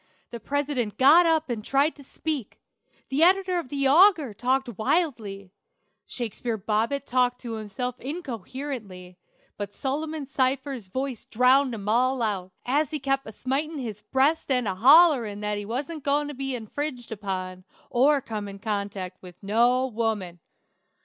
The president got up and tried to speak; the editor of the Auger talked wildly; Shakespeare Bobbet talked to himself incoherently, but Solomon Cypher's voice drowned 'em all out, as he kep' a smitin' his breast and a hollerin' that he wasn't goin' to be infringed upon, or come in contract with no woman!